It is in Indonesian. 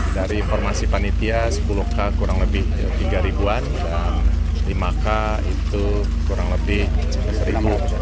dari informasi panitia sepuluh k kurang lebih tiga ribuan lima k itu kurang lebih seribu